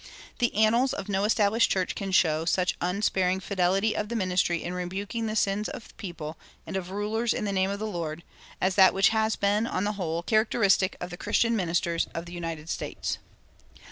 The annals of no established church can show such unsparing fidelity of the ministry in rebuking the sins of people and of rulers in the name of the Lord, as that which has been, on the whole, characteristic of the Christian ministers of the United States.